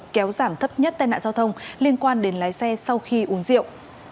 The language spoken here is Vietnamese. kéo giảm thấp nhất tai nạn giao thông liên quan đến lái xe sau khi uống rượu